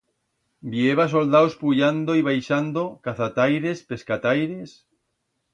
Bi heba soldaus puyando y baixando, cazataires, pescataires...